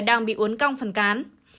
đang bị uốn cong phần cán